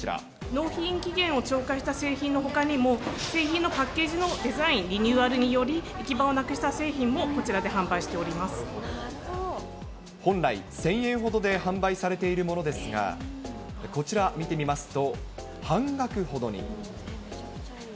納品期限を超過した製品のほかにも、製品のパッケージのデザインリニューアルにより、行き場をなくした製品を、こちらで販売本来、１０００円ほどで販売されているものですが、こちら見てみますと、半額ほどに。